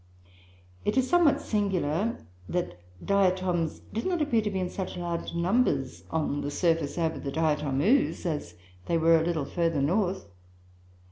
It is somewhat singular that Diatoms did not appear to be in such large numbers on the surface over the Diatom ooze as they were a little further north.